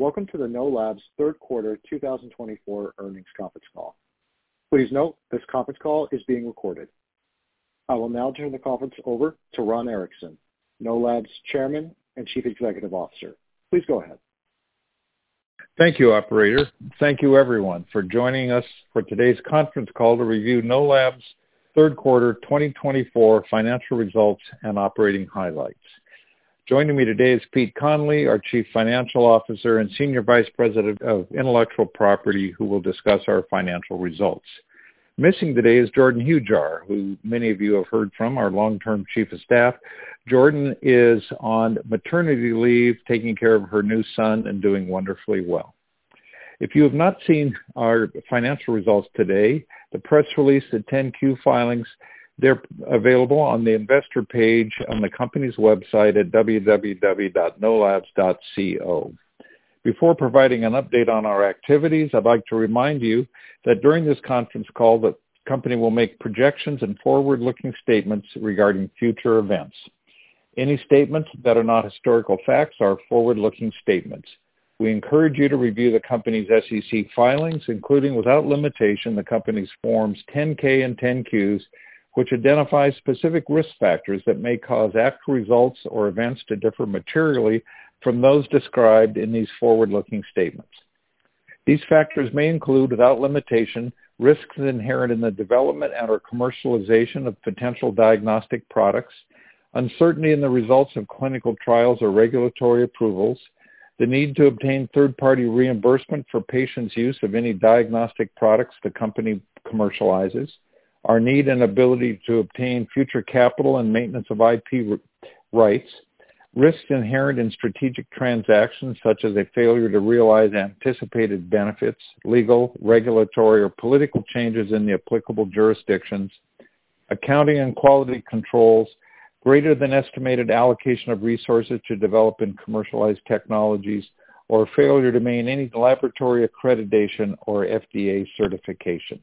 Welcome to the Know Labs Q3 2024 earnings conference call. Please note, this conference call is being recorded. I will now turn the conference over to Ron Erickson, Know Labs Chairman and Chief Executive Officer. Please go ahead. Thank you, operator. Thank you everyone for joining us for today's conference call to review Know Labs Q3 2024 financial results and operating highlights. Joining me today is Pete Conley, our Chief Financial Officer and Senior Vice President of Intellectual Property, who will discuss our financial results. Missing today is Jordyn Hujar, who many of you have heard from, our long-term Chief of Staff. Jordyn is on maternity leave, taking care of her new son and doing wonderfully well. If you have not seen our financial results today, the press release, the 10-Q filings, they're available on the investor page on the company's website at www.knowlabs.co. Before providing an update on our activities, I'd like to remind you that during this conference call, the company will make projections and forward-looking statements regarding future events. Any statements that are not historical facts are forward-looking statements. We encourage you to review the company's SEC filings, including, without limitation, the company's Forms 10-K and 10-Qs, which identify specific risk factors that may cause actual results or events to differ materially from those described in these forward-looking statements. These factors may include, without limitation, risks inherent in the development and/or commercialization of potential diagnostic products, uncertainty in the results of clinical trials or regulatory approvals, the need to obtain third-party reimbursement for patients' use of any diagnostic products the company commercializes, our need and ability to obtain future capital and maintenance of IP rights, risks inherent in strategic transactions, such as a failure to realize anticipated benefits, legal, regulatory, or political changes in the applicable jurisdictions, accounting and quality controls, greater than estimated allocation of resources to develop and commercialize technologies, or failure to maintain any laboratory accreditation or FDA certification.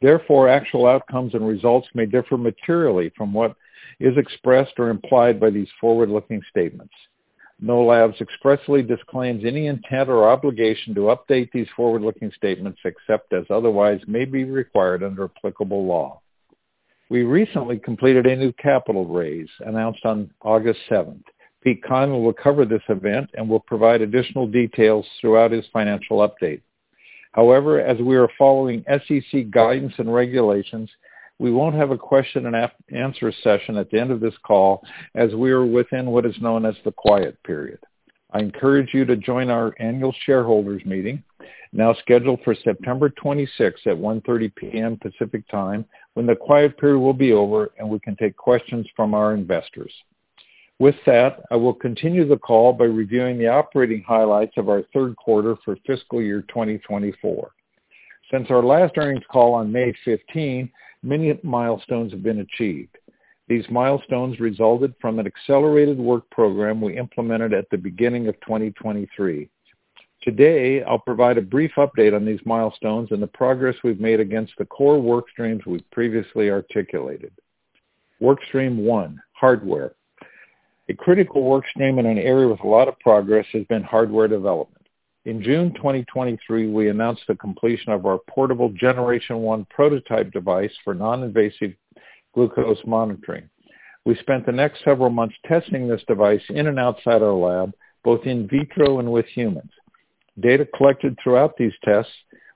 Therefore, actual outcomes and results may differ materially from what is expressed or implied by these forward-looking statements. Know Labs expressly disclaims any intent or obligation to update these forward-looking statements, except as otherwise may be required under applicable law. We recently completed a new capital raise, announced on August 7. Pete Conley will cover this event and will provide additional details throughout his financial update. However, as we are following SEC guidance and regulations, we won't have a question and answer session at the end of this call as we are within what is known as the quiet period. I encourage you to join our annual shareholders meeting, now scheduled for September 26th at 1:30 P.M. Pacific Time, when the quiet period will be over, and we can take questions from our investors. With that, I will continue the call by reviewing the operating highlights of our Q3 for fiscal year 2024. Since our last earnings call on May 15th, many milestones have been achieved. These milestones resulted from an accelerated work program we implemented at the beginning of 2023. Today, I'll provide a brief update on these milestones and the progress we've made against the core work streams we've previously articulated. Work stream one, hardware. A critical work stream in an area with a lot of progress has been hardware development. In June 2023, we announced the completion of our portable Generation 1 prototype device for non-invasive glucose monitoring. We spent the next several months testing this device in and outside our lab, both in vitro and with humans. Data collected throughout these tests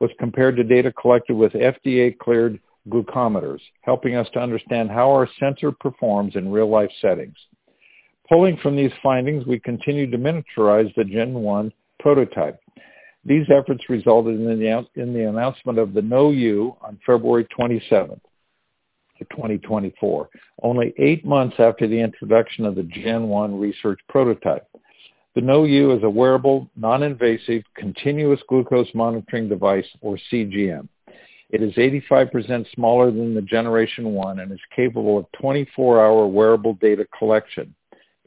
was compared to data collected with FDA-cleared glucometers, helping us to understand how our sensor performs in real-life settings. Pulling from these findings, we continued to miniaturize the Generation 1 prototype. These efforts resulted in the announcement of the KnowU on February 27, 2024, only 8 months after the introduction of the Generation 1 research prototype. The KnowU is a wearable, non-invasive, continuous glucose monitoring device, or CGM. It is 85% smaller than the Generation 1 and is capable of 24-hour wearable data collection.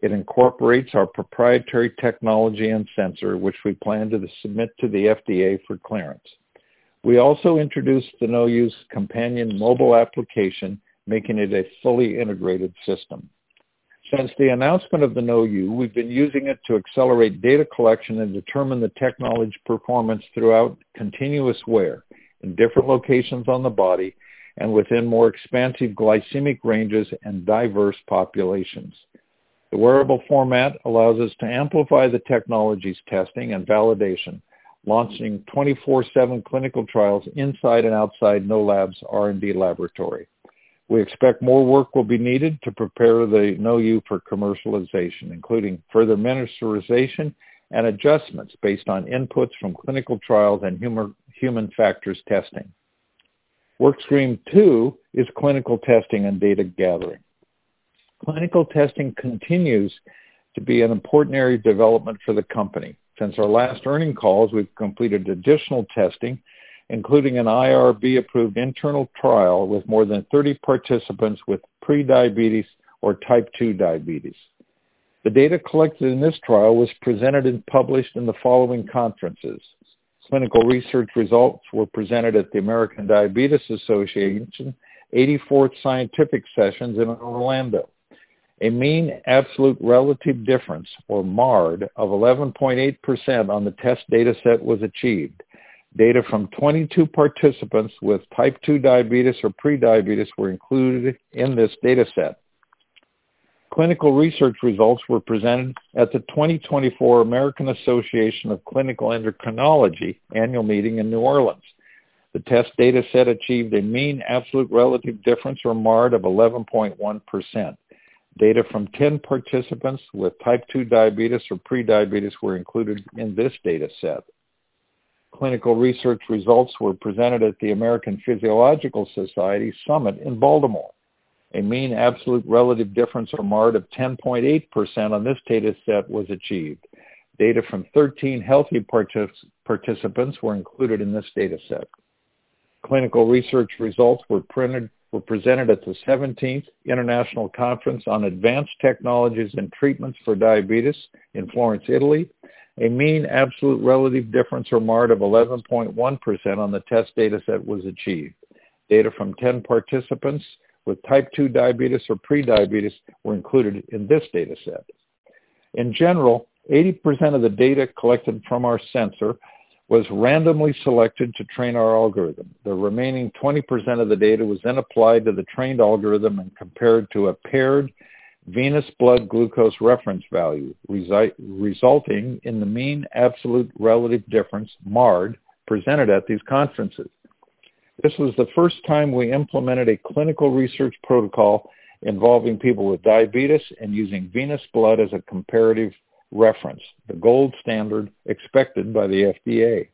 It incorporates our proprietary technology and sensor, which we plan to submit to the FDA for clearance. We also introduced the KnowU's companion mobile application, making it a fully integrated system. Since the announcement of the KnowU, we've been using it to accelerate data collection and determine the technology's performance throughout continuous wear in different locations on the body and within more expansive glycemic ranges and diverse populations. The wearable format allows us to amplify the technology's testing and validation, launching 24/7 clinical trials inside and outside Know Labs R&D laboratory. We expect more work will be needed to prepare the KnowU for commercialization, including further miniaturization and adjustments based on inputs from clinical trials and human factors testing. Work stream two is clinical testing and data gathering. Clinical testing continues to be an important area of development for the company. Since our last earnings calls, we've completed additional testing, including an IRB-approved internal trial with more than 30 participants with prediabetes or type 2 diabetes. The data collected in this trial was presented and published in the following conferences: Clinical research results were presented at the American Diabetes Association, 84th Scientific Sessions in Orlando. A mean absolute relative difference, or MARD, of 11.8% on the test data set was achieved. Data from 22 participants with Type 2 diabetes or Prediabetes were included in this data set. Clinical research results were presented at the 2024 American Association of Clinical Endocrinology Annual Meeting in New Orleans. The test data set achieved a mean absolute relative difference, or MARD, of 11.1%. Data from 10 participants with Type 2 diabetes or Prediabetes were included in this data set. Clinical research results were presented at the American Physiological Society Summit in Baltimore. A mean absolute relative difference, or MARD, of 10.8% on this data set was achieved. Data from 13 healthy participants were included in this data set. Clinical research results were presented at the 17th International Conference on Advanced Technologies and Treatments for Diabetes in Florence, Italy. A mean absolute relative difference, or MARD, of 11.1% on the test data set was achieved. Data from 10 participants with type 2 diabetes or prediabetes were included in this data set. In general, 80% of the data collected from our sensor was randomly selected to train our algorithm. The remaining 20% of the data was then applied to the trained algorithm and compared to a paired venous blood glucose reference value, resulting in the mean absolute relative difference, MARD, presented at these conferences. This was the first time we implemented a clinical research protocol involving people with diabetes and using venous blood as a comparative reference, the gold standard expected by the FDA.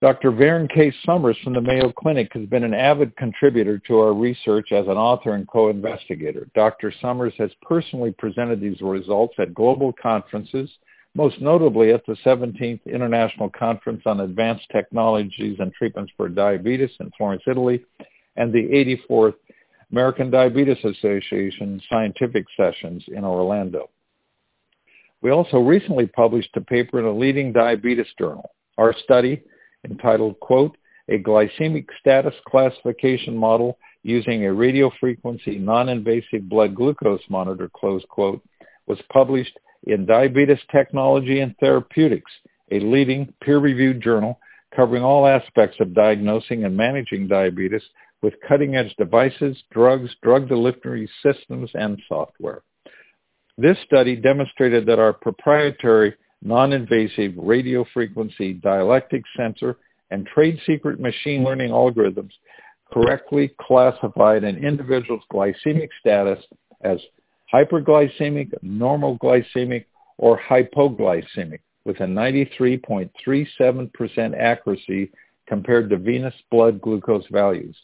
Dr. Virend Somers from the Mayo Clinic has been an avid contributor to our research as an author and co-investigator. Dr. Somers has personally presented these results at global conferences, most notably at the 17th International Conference on Advanced Technologies and Treatments for Diabetes in Florence, Italy, and the 84th American Diabetes Association Scientific Sessions in Orlando. We also recently published a paper in a leading diabetes journal. Our study, entitled, "A Glycemic Status Classification Model Using a Radiofrequency Non-Invasive Blood Glucose Monitor," was published in Diabetes Technology & Therapeutics, a leading peer-reviewed journal covering all aspects of diagnosing and managing diabetes with cutting-edge devices, drugs, drug delivery systems, and software. This study demonstrated that our proprietary non-invasive radiofrequency dielectric sensor and trade secret machine learning algorithms correctly classified an individual's glycemic status as hyperglycemic, normoglycemic, or hypoglycemic, with a 93.37% accuracy compared to venous blood glucose values,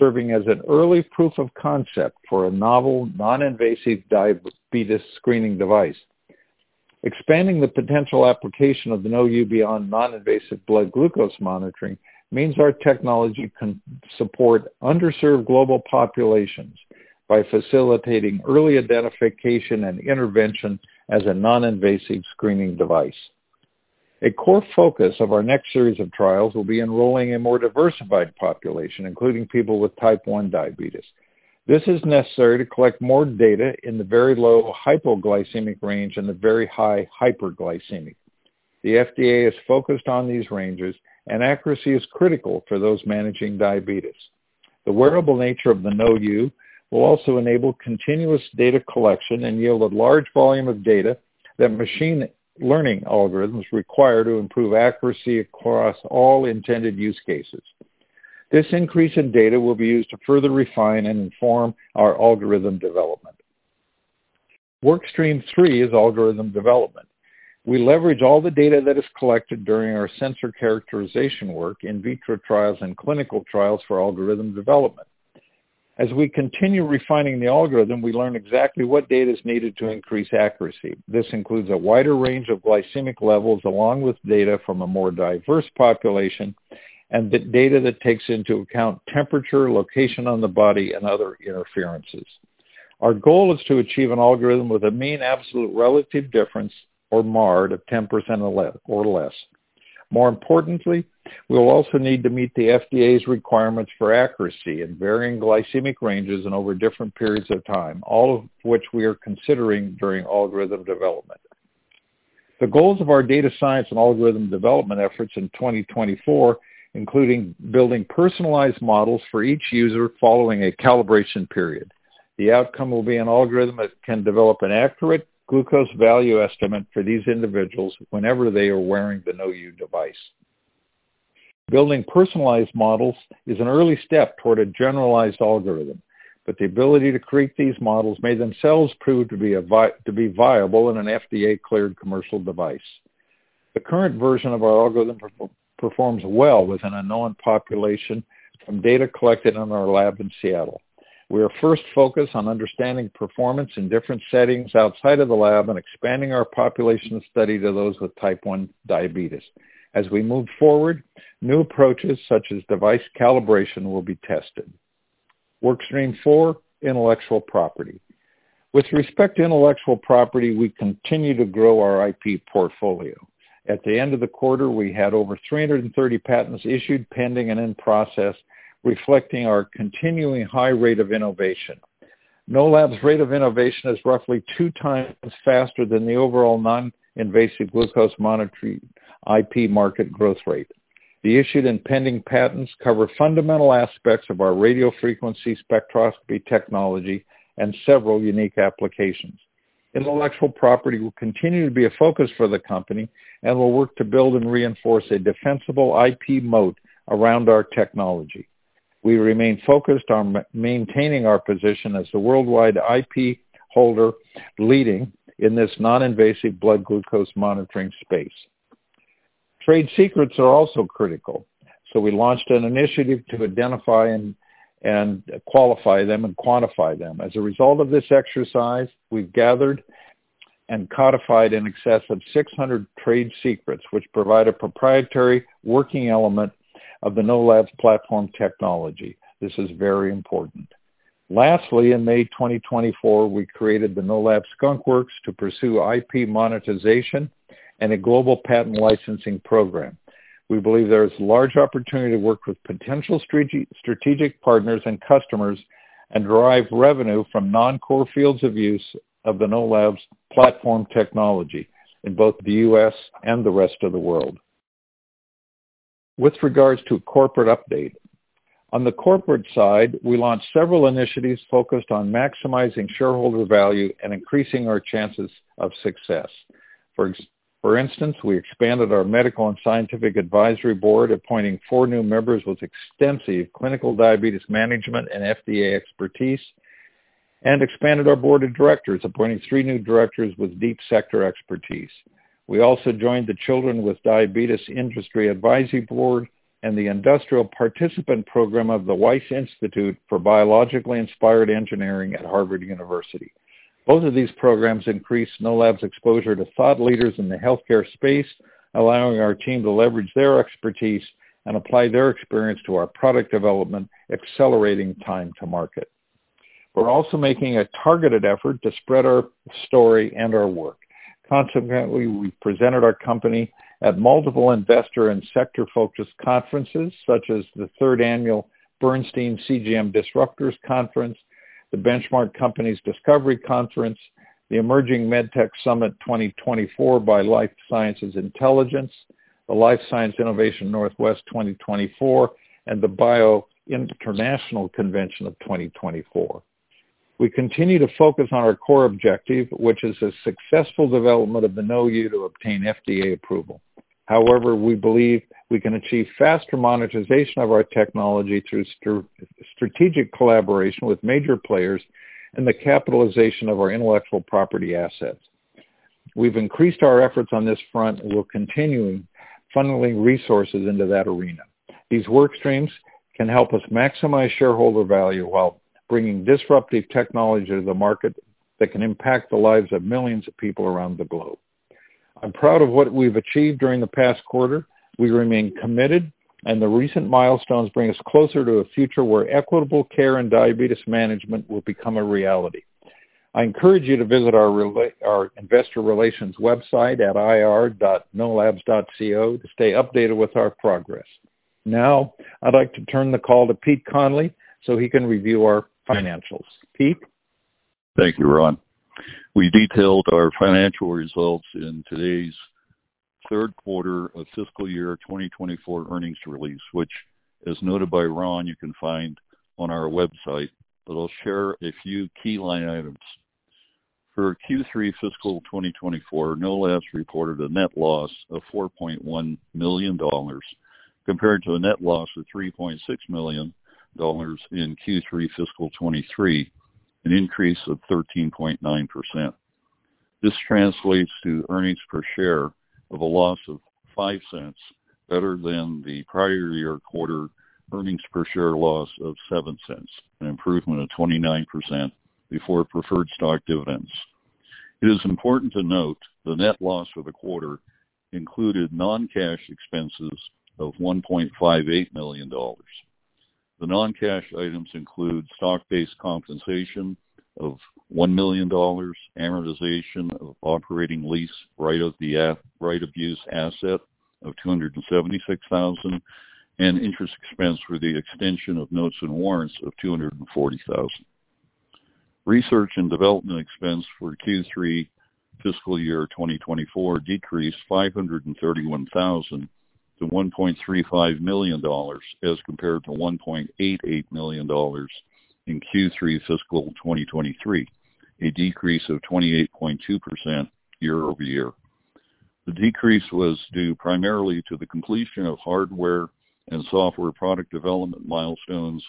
serving as an early proof of concept for a novel, non-invasive diabetes screening device. Expanding the potential application of the KnowU beyond non-invasive blood glucose monitoring means our technology can support underserved global populations by facilitating early identification and intervention as a non-invasive screening device. A core focus of our next series of trials will be enrolling a more diversified population, including people with Type 1 diabetes. This is necessary to collect more data in the very low hypoglycemic range and the very high hyperglycemic. The FDA is focused on these ranges, and accuracy is critical for those managing diabetes. The wearable nature of the KnowU will also enable continuous data collection and yield a large volume of data that machine learning algorithms require to improve accuracy across all intended use cases. This increase in data will be used to further refine and inform our algorithm development. Workstream three is algorithm development. We leverage all the data that is collected during our sensor characterization work, in vitro trials and clinical trials for algorithm development. As we continue refining the algorithm, we learn exactly what data is needed to increase accuracy. This includes a wider range of glycemic levels, along with data from a more diverse population, and the data that takes into account temperature, location on the body, and other interferences. Our goal is to achieve an algorithm with a mean absolute relative difference, or MARD, of 10% or less. More importantly, we will also need to meet the FDA's requirements for accuracy in varying glycemic ranges and over different periods of time, all of which we are considering during algorithm development. The goals of our data science and algorithm development efforts in 2024, including building personalized models for each user following a calibration period. The outcome will be an algorithm that can develop an accurate glucose value estimate for these individuals whenever they are wearing the KnowU device. Building personalized models is an early step toward a generalized algorithm, but the ability to create these models may themselves prove to be to be viable in an FDA-cleared commercial device. The current version of our algorithm performs well with an unknown population from data collected in our lab in Seattle. We are first focused on understanding performance in different settings outside of the lab and expanding our population study to those with Type 1 Diabetes. As we move forward, new approaches such as device calibration will be tested. Workstream four, intellectual property. With respect to intellectual property, we continue to grow our IP portfolio. At the end of the quarter, we had over 330 patents issued, pending, and in process, reflecting our continuing high rate of innovation. Know Labs rate of innovation is roughly two times faster than the overall non-invasive glucose monitoring IP market growth rate. The issued and pending patents cover fundamental aspects of our radiofrequency spectroscopy technology and several unique applications. Intellectual property will continue to be a focus for the company, and we'll work to build and reinforce a defensible IP moat around our technology. We remain focused on maintaining our position as the worldwide IP holder, leading in this non-invasive blood glucose monitoring space. Trade secrets are also critical, so we launched an initiative to identify and qualify them and quantify them. As a result of this exercise, we've gathered and codified in excess of 600 trade secrets, which provide a proprietary working element of the Know Labs platform technology. This is very important. Lastly, in May 2024, we created the Know Labs Skunk Works to pursue IP monetization and a global patent licensing program. We believe there is large opportunity to work with potential strategic partners and customers, and derive revenue from non-core fields of use of the Know Labs platform technology in both the U.S. and the rest of the world. With regards to corporate update. On the corporate side, we launched several initiatives focused on maximizing shareholder value and increasing our chances of success. For instance, we expanded our medical and scientific advisory board, appointing four new members with extensive clinical diabetes management and FDA expertise, and expanded our board of directors, appointing three new directors with deep sector expertise. We also joined the Children with Diabetes Industry Advisory Board and the Industrial Participant Program of the Wyss Institute for Biologically Inspired Engineering at Harvard University. Both of these programs increase Know Labs exposure to thought leaders in the healthcare space, allowing our team to leverage their expertise and apply their experience to our product development, accelerating time to market. We're also making a targeted effort to spread our story and our work. Consequently, we presented our company at multiple investor and sector-focused conferences, such as the third annual Bernstein CGM Disruptors Conference, the Benchmark Company Discovery Conference, the Emerging MedTech Summit 2024 by Life Science Intelligence, the Life Science Innovation Northwest 2024, and the BIO International Convention of 2024. We continue to focus on our core objective, which is a successful development of the KnowU to obtain FDA approval. However, we believe we can achieve faster monetization of our technology through strategic collaboration with major players and the capitalization of our intellectual property assets. We've increased our efforts on this front, and we're continuing funneling resources into that arena. These workstreams can help us maximize shareholder value while bringing disruptive technology to the market that can impact the lives of millions of people around the globe. I'm proud of what we've achieved during the past quarter. We remain committed, and the recent milestones bring us closer to a future where equitable care and diabetes management will become a reality. I encourage you to visit our investor relations website at ir.knowlabs.co to stay updated with our progress. Now, I'd like to turn the call to Pete Conley so he can review our financials. Pete? Thank you, Ron. We detailed our financial results in today's Q3 of fiscal year 2024 earnings release, which, as noted by Ron, you can find on our website, but I'll share a few key line items. For Q3 fiscal 2024, Know Labs reported a net loss of $4.1 million, compared to a net loss of $3.6 million in Q3 fiscal 2023, an increase of 13.9%. This translates to earnings per share of a loss of $0.05, better than the prior year quarter earnings per share loss of $0.07, an improvement of 29% before preferred stock dividends. It is important to note the net loss for the quarter included non-cash expenses of $1.58 million. The non-cash items include stock-based compensation of $1 million, amortization of operating lease right-of-use asset of $276,000, and interest expense for the extension of notes and warrants of $240,000. Research and development expense for Q3 fiscal year 2024 decreased $531,000 to $1.35 million, as compared to $1.88 million in Q3 fiscal 2023, a decrease of 28.2% year-over-year. The decrease was due primarily to the completion of hardware and software product development milestones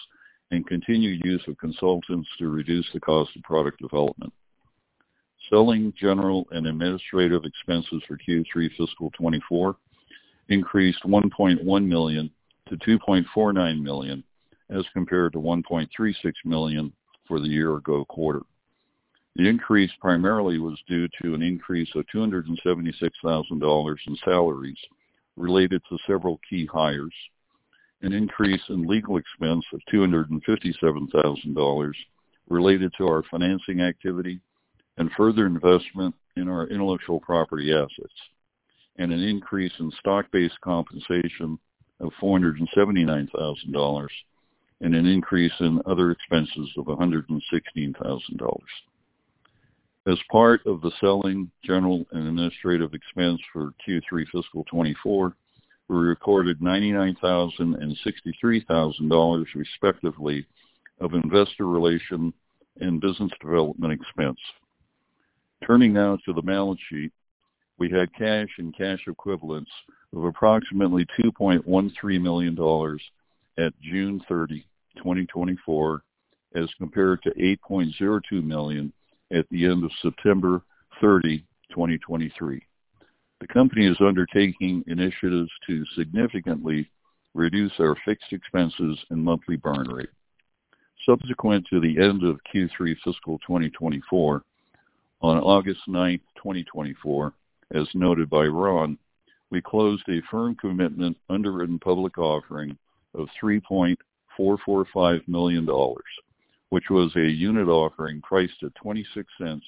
and continued use of consultants to reduce the cost of product development. Selling, general, and administrative expenses for Q3 fiscal 2024 increased $1.1 million to $2.49 million, as compared to $1.36 million for the year ago quarter. The increase primarily was due to an increase of $276,000 in salaries related to several key hires, an increase in legal expense of $257,000 related to our financing activity and further investment in our intellectual property assets, and an increase in stock-based compensation of $479,000, and an increase in other expenses of $116,000. As part of the selling, general, and administrative expense for Q3 fiscal 2024, we recorded $99,000 and $63,000, respectively, of investor relation and business development expense. Turning now to the balance sheet. We had cash and cash equivalents of approximately $2.13 million at June 30, 2024, as compared to $8.02 million at the end of September 30, 2023. The company is undertaking initiatives to significantly reduce our fixed expenses and monthly burn rate. Subsequent to the end of Q3 fiscal 2024, on August 9, 2024, as noted by Ron, we closed a firm commitment underwritten public offering of $3.445 million, which was a unit offering priced at $0.26,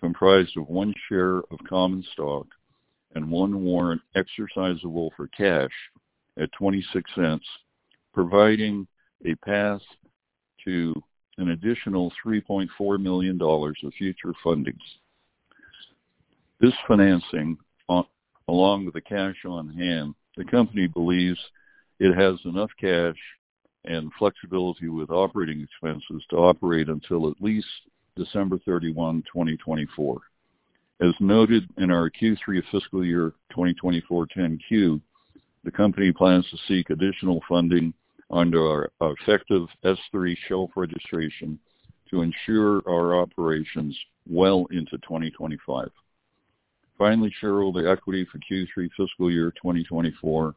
comprised of one share of common stock and one warrant exercisable for cash at $0.26, providing a path to an additional $3.4 million of future fundings. This financing, along with the cash on hand, the company believes it has enough cash and flexibility with operating expenses to operate until at least December 31, 2024. As noted in our Q3 fiscal year 2024 10-Q, the company plans to seek additional funding under our effective S-3 shelf registration to ensure our operations well into 2025. Finally, shareholder equity for Q3 fiscal year 2024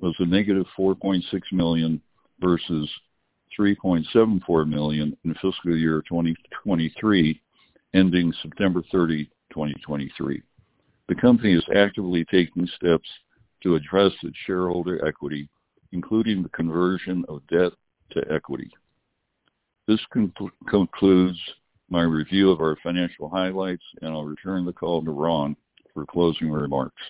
was -$4.6 million versus $3.74 million in the fiscal year 2023, ending September 30, 2023. The company is actively taking steps to address its shareholder equity, including the conversion of debt to equity. This concludes my review of our financial highlights, and I'll return the call to Ron for closing remarks.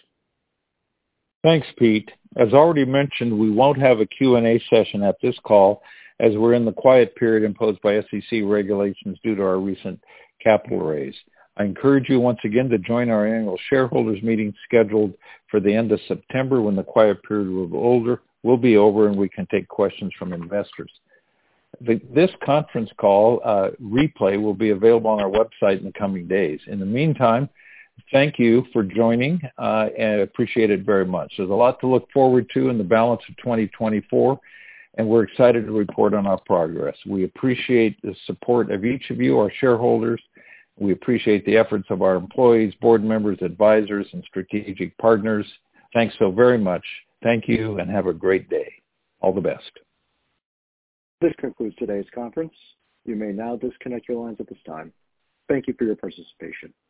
Thanks, Pete. As already mentioned, we won't have a Q&A session at this call as we're in the quiet period imposed by SEC regulations due to our recent capital raise. I encourage you once again to join our annual shareholders meeting, scheduled for the end of September, when the quiet period will be over, will be over, and we can take questions from investors. This conference call replay will be available on our website in the coming days. In the meantime, thank you for joining and appreciate it very much. There's a lot to look forward to in the balance of 2024, and we're excited to report on our progress. We appreciate the support of each of you, our shareholders. We appreciate the efforts of our employees, board members, advisors, and strategic partners. Thanks so very much. Thank you, and have a great day. All the best. This concludes today's conference. You may now disconnect your lines at this time. Thank you for your participation.